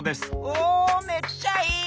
おめっちゃいい！